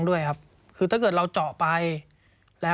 สวัสดีค่ะที่จอมฝันครับ